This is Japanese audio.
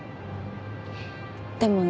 でもね